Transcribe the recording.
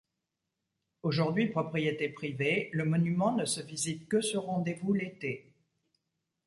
Aujourd'hui propriété privée, le monument ne se visite que sur rendez-vous l'été.